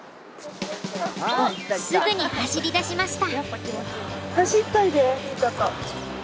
すぐに走りだしました。